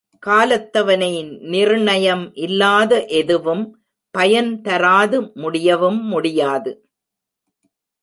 காலத்தவனை நிர்ணயம் இல்லாத எதுவும் பயன் தராது முடியவும் முடியாது.